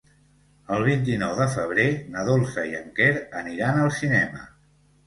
El vint-i-nou de febrer na Dolça i en Quer aniran al cinema.